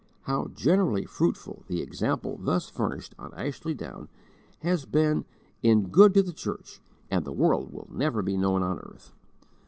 How generally fruitful the example thus furnished on Ashley Down has been in good to the church and the world will never be known on earth.